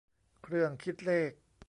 เครื่องคิดเลข